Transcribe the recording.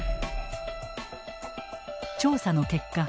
調査の結果